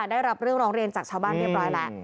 ได้รับเรื่องร้องเรียนจากชาวบ้านเรียบร้อยแล้ว